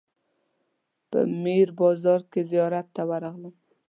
په میر بازار کې زیارت ته ورغلم.